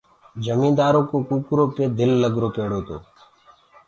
اميرو ڪو ڪوڪرو مي دل لگرو پيڙو تو